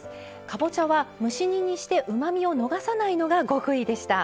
かぼちゃは蒸し煮にしてうまみを逃さないのが極意でした。